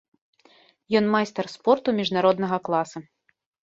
Ён майстар спорту міжнароднага класа.